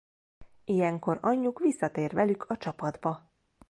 Ilyenkor anyjuk visszatér velük a csapatba.